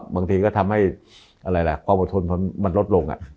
บางทีก็ทำให้อะไรล่ะความอดทนมันลดลง